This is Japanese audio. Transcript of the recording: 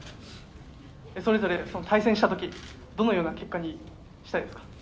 それぞれ対戦したときどのような結果にしたいですか？